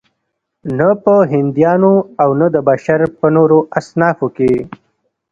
نه په هندیانو او نه د بشر په نورو اصنافو کې.